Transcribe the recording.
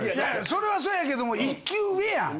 それはそやけども１級上やん。